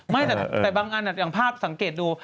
ไม่แต่บางอันอย่างภาพสังเกตดู